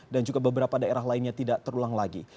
dan juga beberapa daerah lainnya tidak terulang lagi